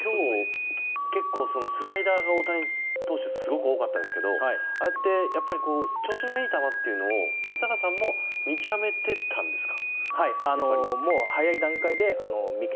今日スライダーが大谷投手はすごく多かったですけど調子のいい球というのを松坂さんも見極めていたんですか。